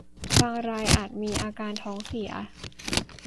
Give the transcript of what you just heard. บางรายอาจมีอาการท้องเสีย